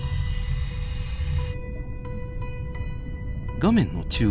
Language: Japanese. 画面の中央。